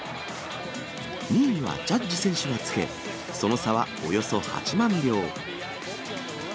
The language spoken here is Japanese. ２位にはジャッジ選手がつけ、その差はおよそ８万票。